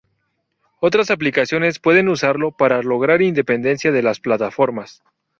Otras aplicaciones pueden usarlo para lograr independencia de las plataformas.